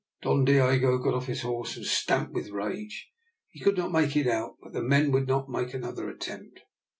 Don Diogo got off his horse, and stamped with rage. He could not make it out, but the men would not make another attempt.